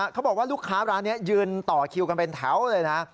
เขาบอกว่าลูกค้าร้านนี้ยืนต่อคิวกันเป็นแถวเลยนะ